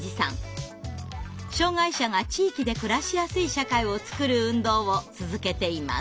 障害者が地域で暮らしやすい社会をつくる運動を続けています。